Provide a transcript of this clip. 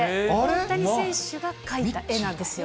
大谷選手が描いた絵なんですよ。